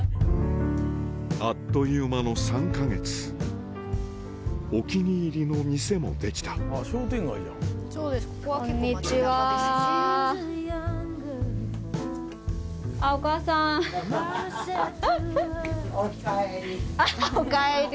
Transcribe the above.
あっという間の３か月お気に入りの店もできたあっおかえり。